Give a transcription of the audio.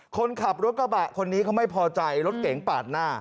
คนขับรถกระบะคนนี้เขาไม่พอใจรถเก๋งปาดหน้า